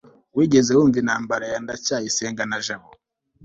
wigeze wumva intambara ya ndacyayisenga na jabo